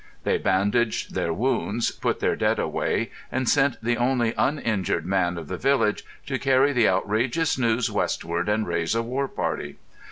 They bandaged their wounds, put their dead away, and sent the only uninjured man of the village to carry the outrageous news westward and raise a war party.